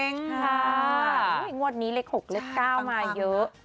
งวดนี้เลข๖เลข๙มาเยอะ